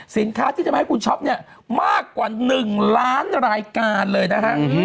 สินค้าที่ทำให้คุณช็อปเนี่ยมากกว่า๑ล้านรายการเลยนะฮะ